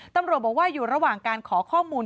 ตำรวจบอกว่าอยู่ระหว่างการขอข้อมูล